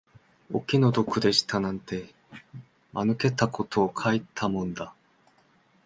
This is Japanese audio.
お気の毒でしたなんて、間抜けたことを書いたもんだ